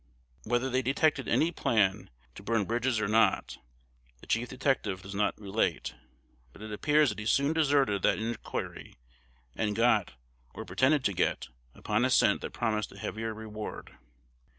Whether they detected any plan to burn bridges or not, the chief detective does not relate; but it appears that he soon deserted that inquiry, and got, or pretended to get, upon a scent that promised a heavier reward.